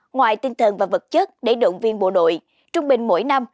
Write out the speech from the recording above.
ngoài tinh thần và vật chất để động viên bộ đội trung bình mỗi năm